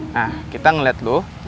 nah kita ngeliat lo